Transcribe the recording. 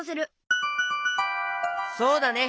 そうだね。